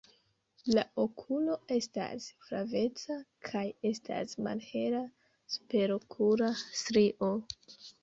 La okulo estas flaveca kaj estas malhela superokula strio.